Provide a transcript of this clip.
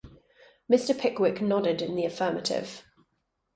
Mr. Pickwick nodded in the affirmative.